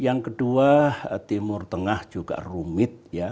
yang kedua timur tengah juga rumit ya